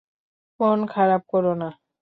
মন খারাপ কোরো না।